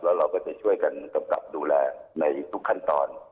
แล้วเราก็จะช่วยกันกำกับดูแลในทุกขั้นตอน